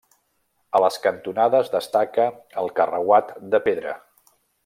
A les cantonades destaca el carreuat de pedra.